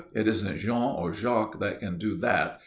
_ it isn't Jean or Jacques that can do that.